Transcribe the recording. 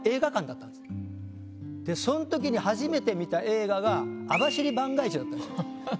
でそん時に初めて見た映画が「網走番外地」だったんですよ。